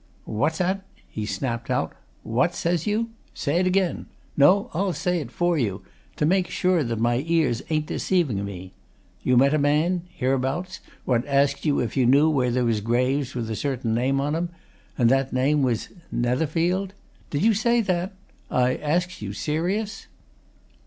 "What's that?" he snapped out. "What says you? Say it again no, I'll say it for you to make sure that my ears ain't deceiving me! You met a man hereabouts what asked you if you knew where there was graves with a certain name on 'em? And that name was Netherfield? Did you say that? I asks you serious?"